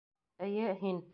Эйе, һин.